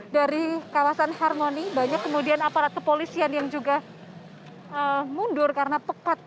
dari kawasan harmoni banyak kemudian aparat kepolisian yang juga mundur karena pekat